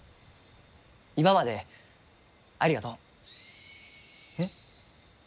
今までありがとう。えっ。